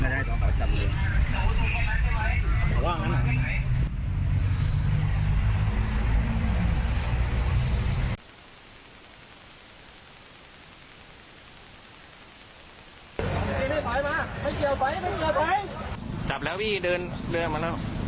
ไม่เกียรตรไปมาไม่เกียรตรไปไม่เกียรตรไปจับแล้วพี่เดินเรือมา